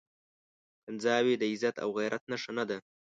کنځاوي د عزت او غيرت نښه نه ده.